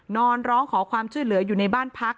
ร้องขอความช่วยเหลืออยู่ในบ้านพัก